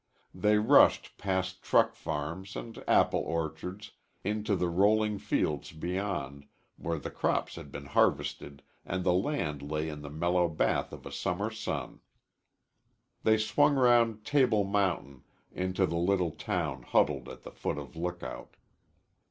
They rushed past truck farms and apple orchards into the rolling fields beyond, where the crops had been harvested and the land lay in the mellow bath of a summer sun. They swung round Table Mountain into the little town huddled at the foot of Lookout.